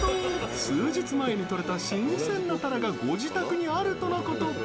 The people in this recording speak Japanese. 数日前にとれた新鮮なタラがご自宅にあるとのこと。